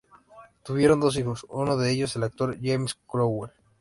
Tuvieron dos hijos, uno de ellos el actor James Cromwell.